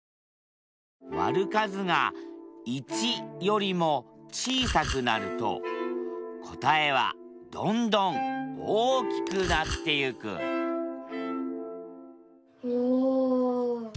割る数が１よりも小さくなると答えはどんどん大きくなってゆくおお！